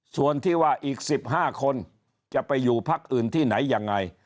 ส่วนที่ว่าอีก๑๕คนจะไปอยู่พักอื่นที่ไหนยังไง